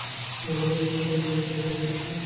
রান্নাঘরের চুলায় চায়ের পানি ফুটছিল।